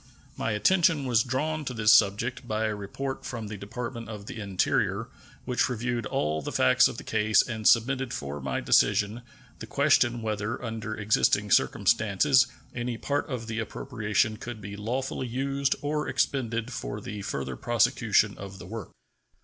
My attention was drawn to this subject by a report from the Department of the Interior, which reviewed all the facts of the case and submitted for my decision the question whether under existing circumstances any part of the appropriation could be lawfully used or expended for the further prosecution of the work.